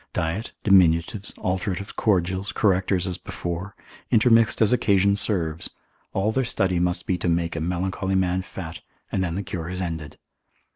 Diet, diminutives, alteratives, cordials, correctors as before, intermixed as occasion serves, all their study must be to make a melancholy man fat, and then the cure is ended.